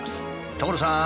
所さん！